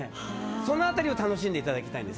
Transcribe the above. その辺りを楽しんでいただきたいんです。